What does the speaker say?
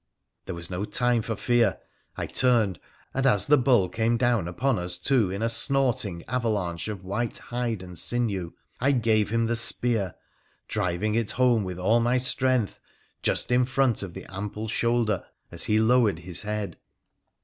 There was no time for fear. I turned, and as the bull came down upon us two in a snorting avalanche of white hide and sinew I gave him the spear, driving it home with all my strength just in front of the ample shoulder as he lowered his head.